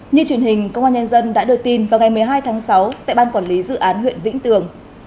như truyền hình công an nhân dân đã đưa tin vào ngày một mươi hai tháng sáu tại ban quản lý dự án huyện vĩnh tường